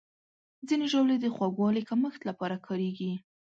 ځینې ژاولې د خوږوالي کمښت لپاره کارېږي.